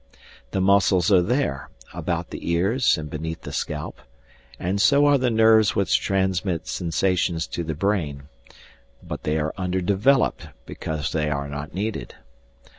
The muscles are there, about the ears and beneath the scalp, and so are the nerves which transmit sensations to the brain, but they are under developed because they are not needed.